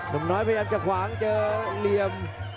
น้องน้อยมันจะขวางเจอของเหลี่ยม